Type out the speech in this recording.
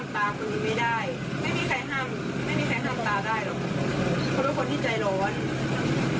ไม่มีใครห้ามตาได้หรอกเพราะว่าคนที่ใจร้อน